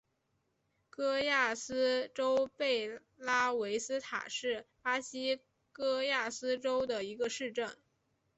戈亚斯州贝拉维斯塔是巴西戈亚斯州的一个市镇。